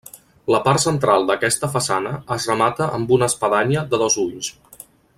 La part central d'aquesta façana es remata amb una espadanya de dos ulls.